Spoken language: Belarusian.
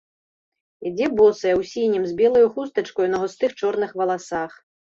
Ідзе босая, у сінім, з белаю хустачкаю на густых чорных валасах.